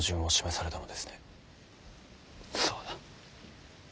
そうだ。